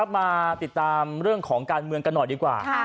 มาติดตามเรื่องของการเมืองกันหน่อยดีกว่า